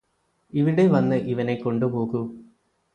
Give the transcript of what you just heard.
ഇവിടെ വന്ന് ഇവനെ കൊണ്ടു പോകൂ